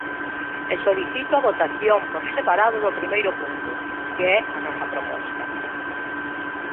E solicito a votación por separado do primeiro punto, que é a nosa proposta.